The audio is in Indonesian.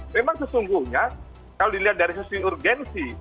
memang sesungguhnya kalau dilihat dari sisi urgensi